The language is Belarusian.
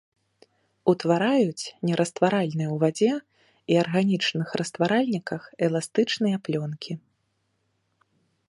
Утвараюць нерастваральныя ў вадзе і арганічных растваральніках эластычныя плёнкі.